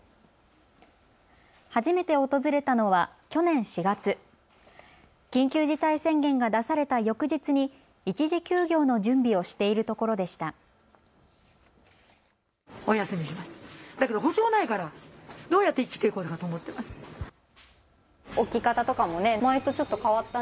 初めて訪れたのは去年４月、緊急事態宣言が出された翌日に一時休業の準備をしているところでした。